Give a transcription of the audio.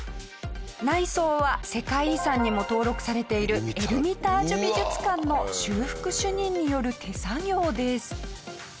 内装は世界遺産にも登録されているエルミタージュ美術館の修復主任による手作業です。